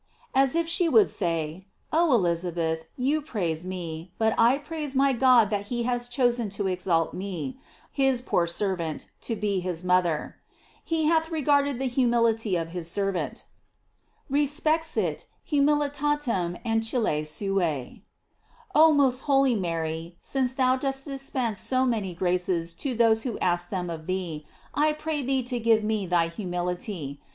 As if she would say: Ah, Elizabeth, you praise me; but I praise my God that he has chosen to exalt me, his poor servant, to be his mother: he hath regard ed the humility of his servant: "Respexit hu militatem ancillae sure." Oh most holy Mary, since thou dost dispense so many graces to those who ask them of tbee, I pray thee to give me thy humility.